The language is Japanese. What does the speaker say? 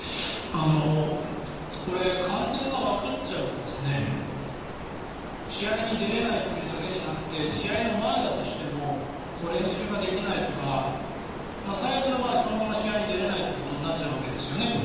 これ感染がわかっちゃうと試合に出られないというだけじゃなくて試合の前だとしても練習ができないとか最悪の場合そのまま試合に出られないということになっちゃうわけですよね。